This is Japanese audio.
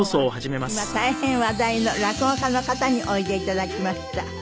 今日は今大変話題の落語家の方においで頂きました。